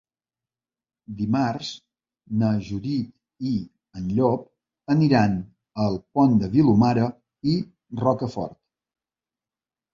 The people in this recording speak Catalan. Dimarts na Judit i en Llop aniran al Pont de Vilomara i Rocafort.